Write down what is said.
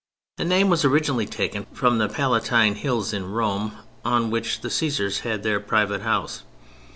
The name was originally taken from the Palatine Hill in Rome, on which the Cæsars had their private house.